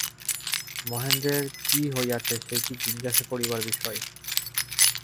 মহেন্দ্রের কী হইয়াছে, সে কি জিজ্ঞাসা করিবার বিষয়।